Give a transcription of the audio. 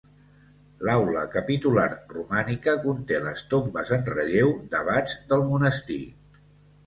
L'aula capitular romànica conté les tombes en relleu d'abats del monestir.